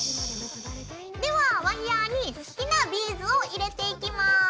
ではワイヤーに好きなビーズを入れていきます。